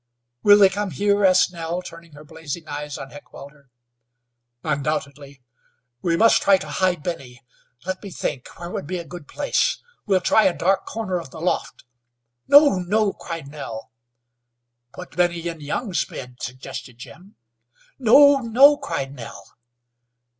"Will they come here?" asked Nell, turning her blazing eyes on Heckewelder. "Undoubtedly. We must try to hide Benny. Let me think; where would be a good place? We'll try a dark corner of the loft." "No, no," cried Nell. "Put Benny in Young's bed," suggested Jim. "No, no," cried Nell.